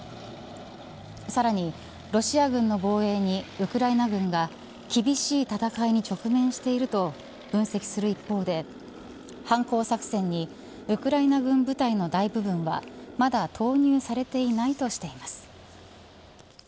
さらにロシア軍の防衛にウクライナ軍が厳しい戦いに直面していると分析する一方で反攻作戦にウクライナ軍部隊の大部分はまだ投入されていないとしています。